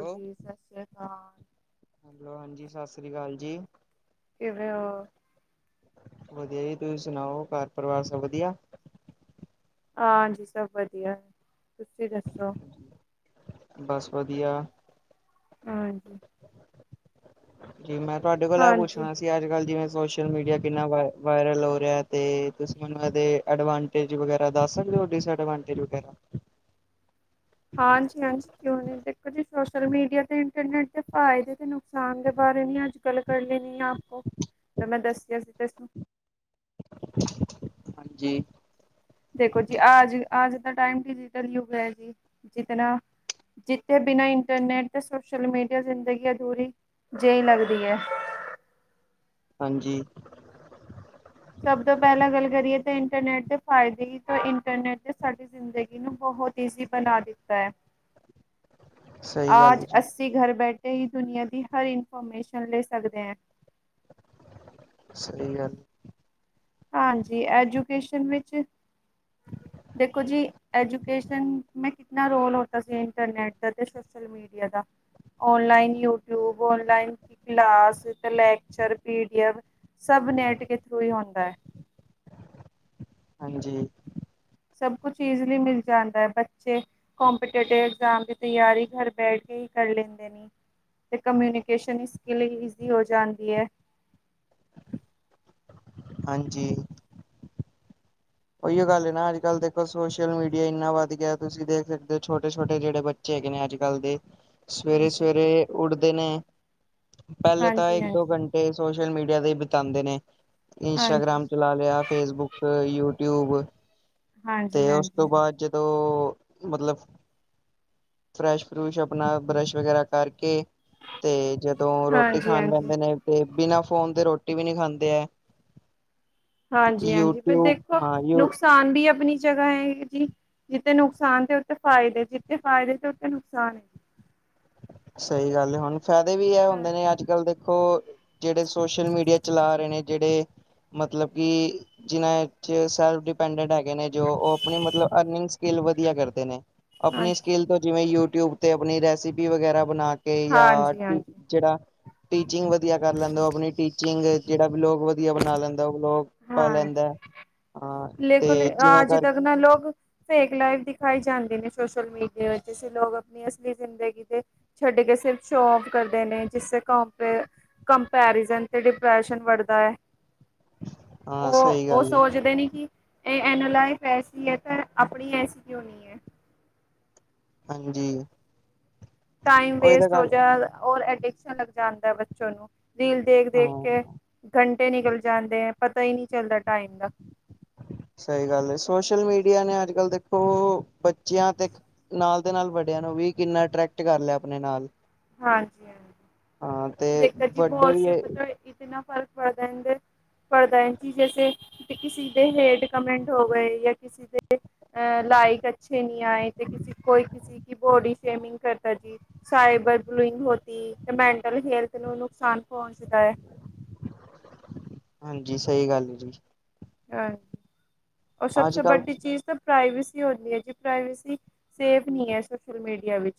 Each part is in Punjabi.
ਹੈਲੋ। ਹੈਲੋ ਹਾਂਜੀ ਸਤਿ ਸ੍ਰੀ ਅਕਾਲ ਜੀ ਕਿਵੇ ਉਹ ਵਧੀਆ ਜੀ ਤੁਸੀ ਸੁਣਾਓ ਘਰ ਪਰਿਵਾਰ ਸਭ ਵਧੀਆ ਹਾਂਜੀ ਸਭ ਵਧੀਆ ਤੁਸੀ ਦੱਸੋ ਬਸ ਵਧੀਆ ਹਾਂਜੀ ਜੀ ਮੈ ਤੁਹਾਡੇ ਕੋਲ ਆ ਹਾਂਜੀ ਪੁੱਛਣਾ ਸੀ ਅੱਜ ਕੱਲ੍ਹ ਜਿਵੇ ਸੋਸ਼ਲ ਮੀਡੀਆ ਕਿੰਨਾ ਵਾਇ ਵਾਇਰਲ ਹੋ ਰਿਹਾ ਅਤੇ ਤੁਸੀ ਮੈਨੂੰ ਇਹਦੇ ਐਡਵਾਂ ਵਗੈਰਾ ਦੱਸ ਸਕਦੇ ਹੋ ਡਿਸਐਡਵਾਂਟੇਜ ਵਗੈਰਾ ਹਾਂਜੀ ਹਾਂਜੀ ਕਿਉ ਨ ਦੇਖੋ ਜੀ ਸੋਸ਼ਲ ਮੀਡੀਆ ਤੇ ਇੰਟਰਨੈਟ ਦੇ ਫਾਇਦੇ ਤੇ ਨੁਕਸਾਨ ਦੇ ਬਾਰੇ ਨ ਅੱਜ ਕੱਲ ਕਰ ਲੈਣੀ ਹੈ ਆਪ ਤਾਂ ਮੈਂ ਦੱਸ ਸੀ ਹਾਂਜੀ। ਦੇਖੋ ਜੀ ਆਜ ਅਜ ਦਾ ਟਾਇਮ ਕਲਯੁਗ ਜਿਤਨਾ। ਜਿਥੇ ਬਿਨਾ ਇੰਟਰਨੇਟ ਤੇ ਸੋਸ਼ਲ ਮੀਡੀਆ ਜ਼ਿੰਦਗੀ ਅਧੂਰੀ ਜਹੀ ਲਗਦੀ ਹੈ। ਹਾਂਜੀ। ਸਭ ਤੋਂ ਪਹਿਲਾਂ ਗੱਲ ਕਰੀਏ ਤਾਂ ਇੰਟਰਨੈੱਟ ਦੇ ਫ਼ਾਇਦੇ ਦੀ ਤਾਂ ਇੰਟਰਨੈੱਟ ਦੇ ਸਾਡੇ ਜ਼ਿੰਦਗੀ ਨੂੰ ਬਹੁਤ ਇਜ਼ੀ ਬਣਾ ਦਿੱਤਾ ਹੈ ਸਹੀ ਗੱਲ ਹੈ ਆਜ ਜੀ ਅਸੀ ਘਰ ਬੈਠੇ ਹੀ ਦੁਨੀਆਂ ਦੀ ਹਰ ਇਨਫੋਰਮੇਸ਼ਨ ਲੈ ਸਕਦੇ ਹ ਸਹੀ ਗੱਲ ਹਾਂਜੀ ਐਜੂਕੇਸ਼ਨ ਵਿੱਚ ਦੇਖੋ ਜੀ ਐਜੂਕੇਸ਼ਨ ਮੇ ਕਿਤਨਾ ਰੋਲ ਹੋਤਾ ਸੀ ਇੰਟਰਨੈਟ ਦਾ ਤੇ ਸ ਮੀਡੀਆ ਦਾ online YouTube online class lecture PDF ਸਭ ਨੈਟ ਕੇ ਥਰੂ ਹੀ ਹੁੰਦਾ ਹੈ ਹਾਂਜੀ ਸਭ ਕੁਛ ਈਜ਼ਇਲੀ ਮਿਲ ਜਾਂਦਾ ਹੈ ਬੱਚੇ ਕਪੀਟਟਿਵ ਐਗਜ਼ਾਮ ਦੀ ਤਿਆਰੀ ਘਰ ਬੈਠ ਕੇ ਹੀ ਕਰ ਲੈਂਦੇ ਨੇ ਅਤੇ ਕਮਿਊਨੀਕੇਸ਼ਨ ਹੀ ਸਕਿੱਲ ਹੀ ਇਜ਼ੀ ਹੋ ਜਾਂਦੀ ਹੈ ਹਾਂਜੀ ਉਹੀ ਗੱਲ ਹੈ ਨਾ ਅੱਜ ਕੱਲ੍ਹ ਦੇਖੋ ਸੋਸ਼ਲ ਮੀਡੀਆ ਇੰਨਾ ਵਧ ਗਿਆ ਤੁਸੀਂ ਦੇਖ ਸਕਦੇ ਹੋ ਛੋਟੇ ਛੋਟੇ ਜਿਹੜੇ ਬੱਚੇ ਬੱਚੇ ਹੈਗੇ ਨੇ ਅੱਜ ਕੱਲ੍ਹ ਦੇ ਸਵੇਰੇ ਹਾਂਜੀ ਸਵੇਰੇ ਉੱਠਦੇ ਨੇ ਪਹਿਲੇ ਤਾਂ ਹਾਂਜੀ ਇੱਕ ਦੋ ਹਾਂਜੀ ਘੰਟੇ ਸੋਸ਼ਲ ਮੀਡੀਆ ਤੇ ਬਿਤਾਉਂਦੇ ਨੇ ਹਾਂਜੀ ਇੰਸਟਾਗ੍ਰਾਮ ਚਲਾ ਲਿਆ ਫੇਸਬੁੱਕ ਯੂਬ ਟਿਊਬ ਹਾਂਜੀ ਹਾਂਜੀ ਤੇ ਉਸ ਹਾਂਜੀ ਹਾਂਜੀ ਤੋਂ ਬਾਅਦ ਜਦੋਂ ਮਤਲਬ ਫਰੈਸ਼ ਫਰੂਸ਼ ਆਪਣਾ ਬਰੱਸ਼ ਵਗੈਰਾ ਕਰਕੇ ਤੇ ਜਦੋਂ ਰੋਟੀ ਹਾਂਜੀ ਖਾਣ ਬੈਦੇ ਨੇ ਤੇ ਬਿਨਾਂ ਫੋਨ ਤੇ ਰੋਟੀ ਵੀ ਨਹੀਂ ਖਾਂਦੇ ਹੈ ਹਾਂਜੀ ਹਾਂਜੀ ਪਰ ਯੂਟਿਊਬ ਦੇਖੋ ਹਾਂ ਯੂ ਨੁਕਸਾਨ ਵੀ ਆਪਣੀ ਜਗ੍ਹਾ ਹੈ ਜੀ ਜਿੱਥੇ ਨੁਕਸਾਨ ਤੇ ਉਤੇ ਫਾਇਦੇ ਜਿੱਥੇ ਫ਼ਾਇਦੇ ਤੇ ਉਤੇ ਨੁਕਸਾਨ ਹੈ ਸਹੀ ਗੱਲ ਹੁਣ ਫਾਇਦੇ ਵੀ ਇਹ ਹਾਂ ਹੁੰਦੇ ਨੇ ਅੱਜ ਕੱਲ੍ਹ ਦੇ ਉਹ ਜਿਹੜੇ ਸੋਸ਼ਲ ਮੀਡੀਆ ਚਲਾ ਰਹੇ ਨੇ ਜਿਹੜੇ ਮਤਲਬ ਕਿ ਜਿਨ੍ਹਾਂ ਚ ਸੈਲਫ ਡਿਪੈਂਡੈਂਟ ਹੈਗੇ ਨੇ ਜੋ ਉਹ ਆਪਣੀ ਮਤਲਬ ਅਰਨਿੰਗ ਸਕਿੱਲ ਵਧੀਆ ਕਰਦੇ ਨੇ ਆਪਣੀ ਹਾਂਜੀ ਸਕਿਲ ਤੋਂ ਜਿਵੇਂ ਯੂਟਿਊਬ ਤੇ ਆਪਣੀ ਰੈਸਿਪੀ ਵਗੈਰਾ ਬਣਾ ਕੇ ਜਾਂ ਹਾਂਜੀ ਜਿਹੜਾ ਟੀਚਿੰਗ ਵਧੀਆ ਕਰ ਲੈਂਦਾ ਆਪਣੀ ਟੀਚਿੰਗ ਜਿਹੜਾ ਵੀ ਵਿਲੋਗ ਵਧੀਆ ਬਣਾ ਲੈਂਦਾ ਉਹ ਵਿਲੋਗ ਪਾ ਹਾਂਜੀ ਲੈਂਦਾ ਹਾਂ ਤੇ ਲੇਕਿਨ ਜਿਹਨਾਂ ਆਜ ਤੱਕ ਕਰਕੇ ਲੋਕ ਫੇਕ ਲਾਈਵ ਦਿਖਾਈ ਜਾਂਦੇ ਨੇ ਸੋਸ਼ਲ ਮੀਡੀਆ ਵਿੱਚ ਲੋਕ ਆਪਣੀ ਅਸਲੀ ਜ਼ਿੰਦਗੀ ਦੇ ਛੱਡ ਕੇ ਸਿਰਫ ਸ਼ੋ- ਆਫ ਕਰਦੇ ਨੇ ਜਿਸੇ ਕਪ ਕੰਪੈਰੀਜ਼ਨ ਤੇ ਡਿਪਰੈਸ਼ਨ ਵੜਦਾ ਹੈ ਹਾਂ ਉਹ ਸਹੀ ਉਹ ਗੱਲ ਹੈ। ਸੋਚਦੇ ਨੇ ਕਿ ਇਹ ਐਨ ਐਸੀ ਹੈ ਤੇ ਆਪਣੀ ਐਸੀ ਕਿਉ ਨਹੀਂ ਹੈ ਹਾਂਜੀ ਟਾਈਮ ਉਹੀ ਤਾਂ ਵੇਸਟ ਹੋ ਗੱਲ ਜਾ ਰ ਅਡਿਕਸ਼ਨ ਲੱਗ ਜਾਂਦਾ ਬੱਚੋਂ ਨੂੰ ਰੀਲ ਦੇਖ ਦੇਖ ਕੇ ਹਾਂ ਘੰਟੇ ਨਿਕਲ ਜਾਂਦੇ ਹੈ ਪਤਾ ਹੀ ਨਹੀਂ ਚੱਲਦਾ ਟਾਈਮ ਦਾ ਸਹੀ ਗੱਲ ਹੈ ਸੋਸ਼ਲ ਮੀਡੀਆ ਨੇ ਅੱਜ ਕੱਲ ਦੇਖੋ ਬੱਚਿਆਂ ਤੇ ਨਾਲ ਦੇ ਨਾਲ ਵੱਡਿਆਂ ਨੂੰ ਵੀ ਕਿੰਨਾ ਅਟਰੈਕਟ ਕਰ ਲਿਆ ਆਪਣੇ ਨਾਲ ਹਾਂ ਤੇ ਵੱਡੇ ਵੀ [inaudible] ਪੜਦਾ ਜੀ ਜੈਸੇ ਕਿਸੀ ਦੇ ਹੇਡ ਕਮੈਂਟ ਹੋ ਗਏ ਜਾਂ ਦੇ ਅ ਲਾਇਕ ਅੱਛੇ ਨੀ ਆਏ ਤੇ ਕਿਸੇ ਕੋਈੇ ਬੋਡੀ ਸ਼ੇਮਿੰਗ ਕਰ ਜੀ ਸਬਰ ਬਲੂਇੰਗ ਹੋ ਤੇ ਮੈਂਟਲ ਹੈਲਥ ਨੂੰ ਨੁਕਸਾਨ ਪਹੁੰਚਦਾ ਹੈ ਹਾਂਜੀ ਸਹੀ ਗੱਲ ਜੀ ਹਾਂਜੀ ਰ ਸਭ ਅੱਜ ਸੇ ਕੱਲ ਵੱਡੀ ਚੀਜ਼ ਤਾਂ ਪ੍ਰਵੇਸੀ ਹੁੰਦੀ ਹੈ ਜੀ ਪ੍ਰਵੇਸੀ ਸੇਫ ਨਹੀ ਹੈ ਸੋਸ਼ਲ ਮੀਡੀਆ ਵਿੱਚ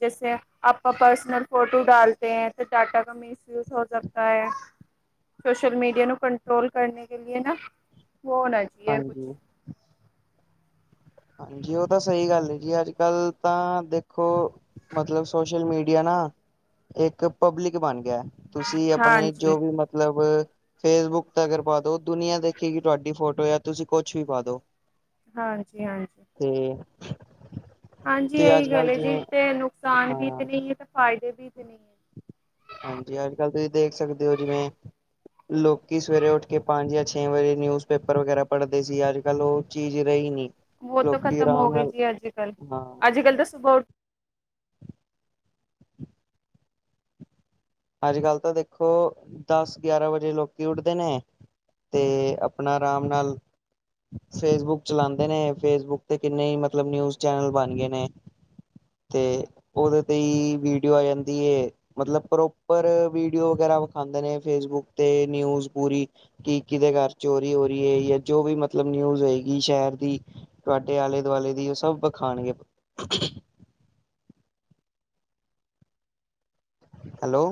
ਜੈਸੇ ਆਪਾਂ ਪਰਸਨਲ ਫੋਟੋ ਡਾਲਤੇ ਹੈ ਤੇ ਟਾਟਾ ਕ ਮ ਯੂਜ ਹੋ ਸਕਤਾ ਹੈ ਸੋਸ਼ਲ ਮੀਡੀਆ ਨੂੰ ਕੰਟਰੋਲ ਕਰਨੇ ਕੇ ਲਿਏ ਨਾ ਹੋਣ ਹਾਂਜੀ ਹਾਂਜੀ ਉਹ ਤਾਂ ਸਹੀ ਗੱਲ ਹੈ ਜੀ, ਅੱਜ- ਕੱਲ ਤਾਂ ਦੇਖੋ ਮਤਲਬ ਸੋਸ਼ਲ ਮੀਡੀਆ ਨਾ ਇੱਕ ਪਬਲਿਕ ਬਣ ਗਿਆ। ਤੁਸੀਂ ਆਪਣੇ ਹਾਂਜੀ ਜੋ ਵੀ ਮਤਲਬ ਫੇਸਬੁੱਕ ਤੇ ਅਗਰ ਪਾ ਦੋ, ਦੁਨੀਆਂ ਦੇਖੇਗੀ ਤੁਹਾਡੀ ਫੋਟੋ ਜਾਂ ਤੁਸੀਂ ਕੁਛ ਵੀ ਪਾ ਦੋ। ਹਾਂਜੀ- ਹਾਂਜੀ। ਤੇ ਹਾਂਜੀ ਤੁਸੀਂ ਇਹੀ ਅੱਜ ਗੱਲ ਕੱਲ ਏ ਜੀ, ਜਿਵੇਂ ਤੇ ਨੁਕਸਾਨ ਹਾਂ ਵੀ ਤੇ ਨਹੀਂ ਹੈ ਤੇ ਫ਼ਾਇਦੇ ਵੀ ਤੇ ਨਹੀਂ ਹੈ। ਹਾਂਜੀ, ਅੱਜ- ਕੱਲ੍ਹ ਤੁਸੀਂ ਦੇਖ ਸਕਦੇ ਹੋ ਜਿਵੇਂ ਲੋਕ ਸਵੇਰੇ ਉੱਠ ਕੇ ਪੰਜ ਜਾਂ ਛੇ ਵਜੇ ਨਿਊਜ਼ਪੇਪਰ ਵਗੈਰਾ ਪੜ੍ਹਦੇ ਸੀ, ਅੱਜ- ਕੱਲ੍ਹ ਉਹ ਚੀਜ਼ ਰਹੀ ਨਹੀਂ। ਉਹ ਤਾਂ ਲੋਕੀ ਖ਼ਤਮ ਹੋ ਆਰਾਮ ਗਈ ਨਾਲ ਜੀ ਅੱਜ- ਕੱਲ੍ਹ, ਹਾਂ ਅੱਜ -ਕੱਲ੍ਹ ਤਾਂ ਸੁਬਾਹ ਉੱਠ ਅੱਜ -ਕੱਲ੍ਹ ਤਾਂ ਦੇਖੋ, ਦਸ ਗਿਆਰਾਂ ਵਜੇ ਲੋਕੀ ਉੱਠਦੇ ਨੇ। ਤੇ ਆਪਣਾ ਆਰਾਮ ਨਾਲ ਫੇਸਬੁੱਕ ਚਲਾਂਦੇ ਨੇ, ਫੇਸਬੁੱਕ ਤੇ ਕਿੰਨੇ ਹੀ ਮਤਲਬ ਨਿਊਜ਼ ਚੈਨਲ ਬਣ ਗਏ ਨੇ। ਤੇ ਉਹਦੇ ਤੇ ਵੀਡੀਓ ਆ ਜਾਂਦੀ ਏ, ਮਤਲਬ ਉੱਪਰੋ ਉੱਪਰ ਵੀਡੀਓ ਵਗੈਰਾ ਵਿਖਾਂਦੇ ਨੇ, ਫੇਸਬੁੱਕ ਤੇ ਨਿਊਜ਼ ਪੂਰੀ। ਕਿ ਕਿਹਦੇ ਘਰ ਚੋਰੀ ਹੋ ਰਹੀ ਏ, ਜਾਂ ਜੋ ਵੀ ਮਤਲਬ ਨਿਊਜ਼ ਹੋਏਗੀ ਸ਼ਹਿਰ ਦੀ। ਤੁਹਾਡੇ ਆਲੇ- ਦੁਆਲੇ ਦੀ ਉਹ ਸਭ ਵਿਖਾਣਗੇ। ਹੈਲੋ,